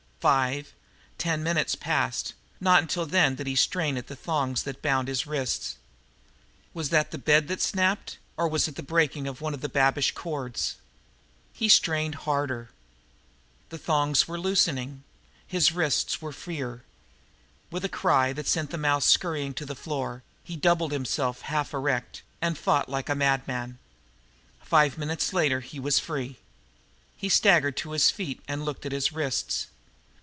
Five, ten minutes passed, and not until then did he strain at the thongs that bound his wrists. Was that the bed that had snapped? Or was it the breaking of one of the babiche cords? He strained harder. The thongs were loosening; his wrists were freer; with a cry that sent the mouse scurrying to the floor he doubled himself half erect, and fought like a madman. Five minutes later and he was free. He staggered to his feet, and looked at his wrists.